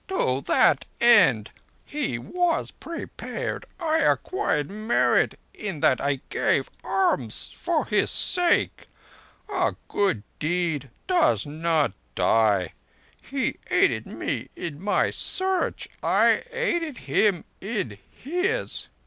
"To that end he was prepared. I acquired merit in that I gave alms for his sake. A good deed does not die. He aided me in my Search. I aided him in his.